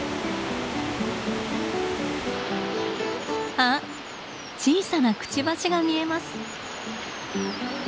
あっ小さなクチバシが見えます。